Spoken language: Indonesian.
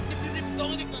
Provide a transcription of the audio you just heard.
d kirim dong gitu